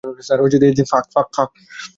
Sir, এদিক দিয়ে চলুন।